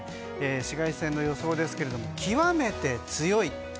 紫外線の予想ですけれども極めて強い。